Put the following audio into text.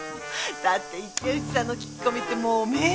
だって池内さんの聞き込みってもう名人の域？